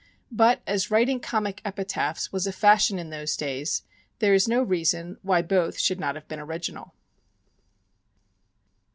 But, as writing comic epitaphs was a fashion in those days, there is no reason why both should not have been original.